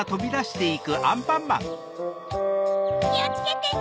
・きをつけてね！